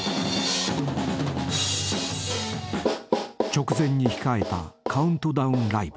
［直前に控えたカウントダウンライブ］